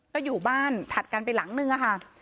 ก็อยู่บ้านถัดกันไปหลังนึงอะค่ะ